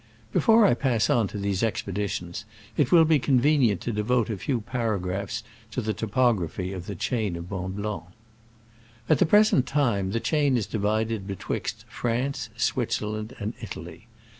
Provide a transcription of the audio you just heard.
Before I pass on to these expeditions it will be convenient to devote a few paragraphs to the topography of the chain of Mont Blanc. At the present time the chain is di vided betwixt France, Switzerland and Italy.